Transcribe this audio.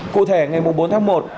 cụ thể ngày bốn tháng một